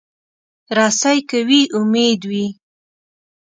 رسۍ که وي، امید وي.